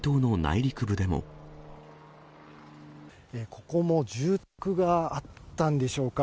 ここも住宅があったんでしょうか。